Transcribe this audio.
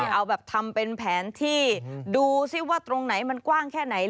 เอาแบบทำเป็นแผนที่ดูสิว่าตรงไหนมันกว้างแค่ไหน